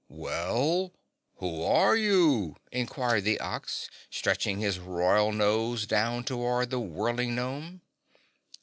"Well, who are you?" inquired the Ox, stretching his royal nose down toward the whirling gnome.